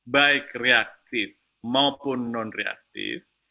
baik reaktif maupun non reaktif